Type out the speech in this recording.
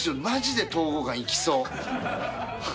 マジで東郷館行きそう。